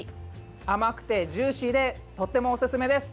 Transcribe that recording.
甘くてジューシーでとってもおすすめです。